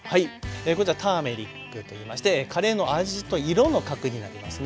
こちらターメリックといいましてカレーの味と色の核になりますね。